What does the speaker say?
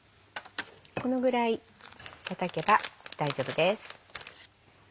このぐらいたたけば大丈夫です。